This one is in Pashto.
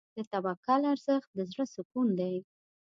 د توکل ارزښت د زړه سکون دی.